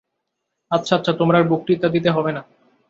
আচ্ছা আচ্ছা, তোমার আর বক্তৃতা দিতে হবে না।